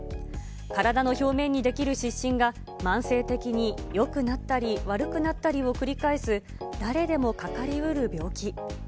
体の表面に出来る湿疹が慢性的によくなったり悪くなったりを繰り返す、誰でもかかりうる病気。